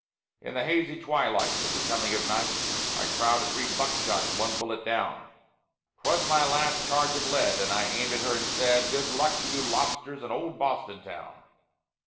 In the hazy twilight, at the coming of night, I crowded three buckshot and one bullet down. 'Twas my last charge of lead; and I aimed her and said, "Good luck to you, lobsters, in old Boston Town."